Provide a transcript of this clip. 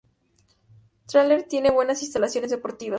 Tralee tiene buenas instalaciones deportivas.